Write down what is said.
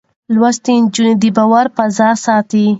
لوستې نجونې د باور فضا ساتي.